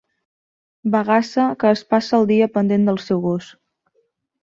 Bagassa que es passa el dia pendent del seu gos.